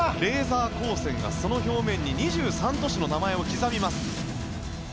レーザー光線がその表面に２３都市の名前を刻みます。